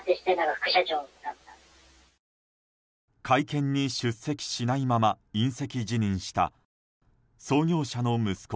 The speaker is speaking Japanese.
会見に出席しないまま引責辞任した創業者の息子